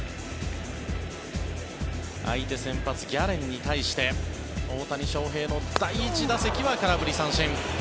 相手先発、ギャレンに対して大谷翔平の第１打席は空振り三振。